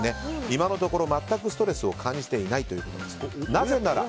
今のところ全くストレスを感じていないということです。